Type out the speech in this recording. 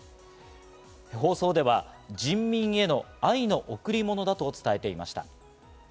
放送では人民への愛の贈り物だと伝えていました。